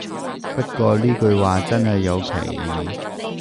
不過呢句話真係有歧義